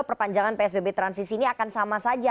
perpanjangan psbb transisi ini akan sama saja